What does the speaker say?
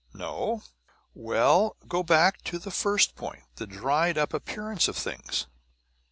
"No? Well, go back to the first point: the dried up appearance of things.